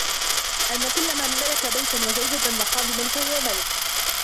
أَنَّ كُلَّ مَنْ مَلَكَ بَيْتًا وَزَوْجَةً وَخَادِمًا فَهُوَ مَلِكٌ